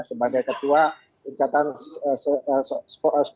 sebagai ketua inkatan sepeda sport indonesia